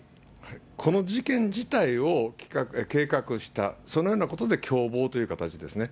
この事件自体を計画した、そのようなことで共謀という形ですね。